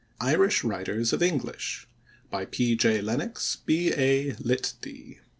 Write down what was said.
IRISH WRITERS OF ENGLISH By P.J. LENNOX, B.A., Litt.D.